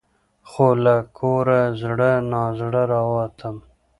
خو له کوره زړه نا زړه راوتم .